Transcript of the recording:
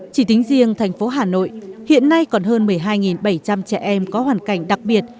chỉ tính riêng thành phố hà nội hiện nay còn hơn một mươi hai bảy trăm linh trẻ em có hoàn cảnh đặc biệt